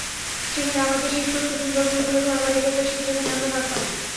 সেখানে আমাদের সেই ছোট্ট সুন্দর ফুলে ফুলে ভরা বাড়িটাকে, যেখানে আমরা থাকতাম।